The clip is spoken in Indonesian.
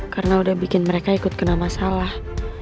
karena udah bikin mereka ikut kena masalah